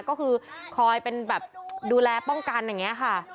ก็คือคอยเป็นแบบดูแลป้องกันอย่างนี้ค่ะ